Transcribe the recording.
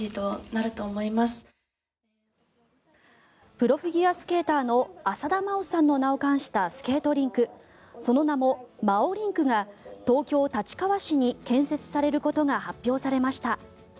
プロフィギュアスケーターの浅田真央さんの名を冠したスケートリンクその名もＭＡＯＲＩＮＫが東京・立川市に建設されることが発表されました。